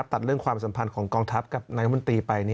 ตัดเรื่องความสัมพันธ์ของกองทัพกับนายมนตรีไป